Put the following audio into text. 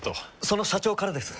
その社長からです。